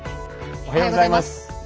おはようございます。